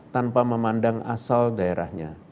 tanpa memandang asal daerahnya